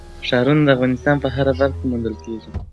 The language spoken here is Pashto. ښارونه د افغانستان په هره برخه کې موندل کېږي.